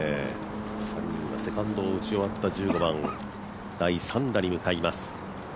３人がセカンドを打ち終わった１５番、第３打に移っていきます。